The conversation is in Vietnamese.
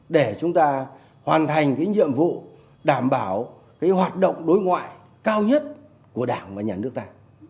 để chúng ta hoàn thành cái nhiệm vụ đảm bảo cái hoạt động đối ngoại cao nhất của đảng và nhà nước ta